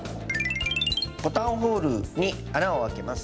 ボタンホールに穴を開けます。